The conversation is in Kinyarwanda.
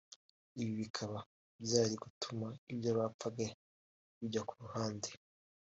ibi bikaba byari gutuma ibyo bapfaga bijya ku ruhande